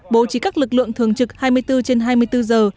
bố trí các lực lượng thường trực hai mươi bốn trên hai mươi bốn giờ